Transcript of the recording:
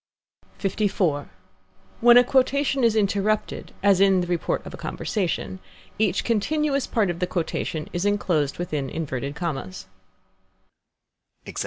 LIV. When a quotation is interrupted, as in the report of a conversation, each continuous part of the quotation is enclosed within inverted commas.